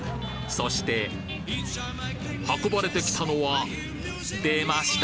そして運ばれてきたのは出ました！